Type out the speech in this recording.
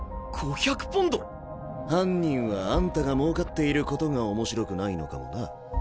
５００ポンド⁉犯人はあんたが儲かっていることが面白くないのかもな。